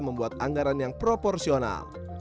membuat anggaran yang proporsional